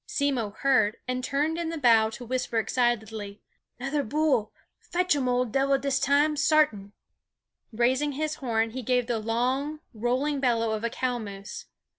Simmo heard and turned in the bow to whisper excitedly: "Nother bull! Fetch um Ol' Dev'l this time, sartin." Raising his horn he gave the long, rolling bellow of a cow moose.